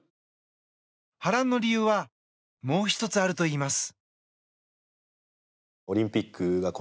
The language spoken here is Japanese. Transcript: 波乱の理由はもう１つあるといいます。